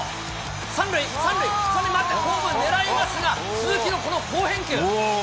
３塁、３塁、３塁回ってホームラン狙いますが、鈴木のこの好返球。